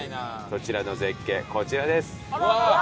そちらの絶景こちらです。